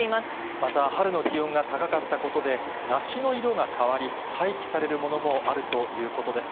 また春の気温が高かったことで、梨の色が変わり、廃棄されるものもあるということです。